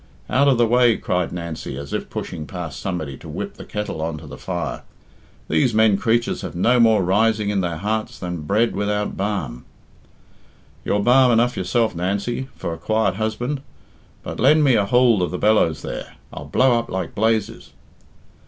"Out of the way," cried Nancy, as if pushing past somebody to whip the kettle on to the fire. "These men creatures have no more rising in their hearts than bread without balm." "You're balm enough yourself, Nancy, for a quiet husband. But lend me a hould of the bellows there I'll blow up like blazes."